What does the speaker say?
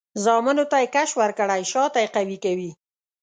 زامنو ته یې کش ورکړی؛ شاته یې قوي کوي.